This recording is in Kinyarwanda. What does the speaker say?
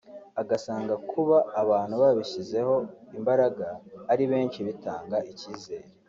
agasanga kuba abantu babishyizeho imbaraga ari benshi bitanga icyizere